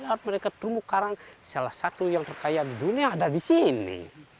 harus mereka terumbu karang salah satu yang terkaya di dunia ada di sini